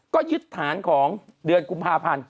ก็ยึดฐานของเดือนกุมภาพันธ์